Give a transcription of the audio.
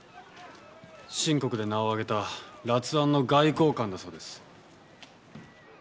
清国で名を上げた辣腕の外交官だそうです。